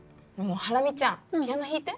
ハラミちゃんピアノ弾いて。